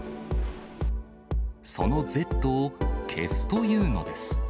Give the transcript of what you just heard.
そのＺを消すというのです。